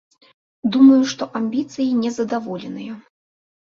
Думаю, што амбіцыі незадаволеныя.